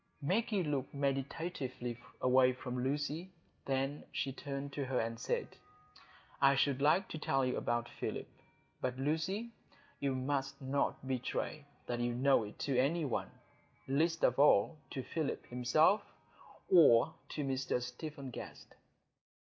Maggie looked meditatively away from Lucy. Then she turned to her and said, "I should like to tell you about Philip. But, Lucy, you must not betray that you know it to any one—least of all to Philip himself, or to Mr Stephen Guest."